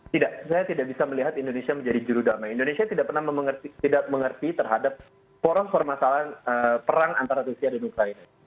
tidak saya tidak bisa melihat indonesia menjadi jurudamai indonesia tidak pernah mengerti terhadap poros permasalahan perang antara rusia dan ukraina